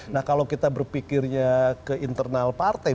nah kalau kita berpikirnya ke internal partai